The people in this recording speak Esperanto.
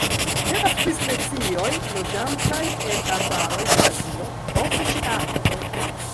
Temas pri specioj loĝantaj en arbaroj de Azio, ofte ĉe akvo.